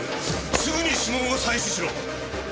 すぐに指紋を採取しろ。